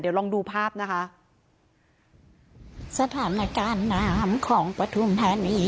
เดี๋ยวลองดูภาพนะคะสถานการณ์น้ำของปฐุมธานี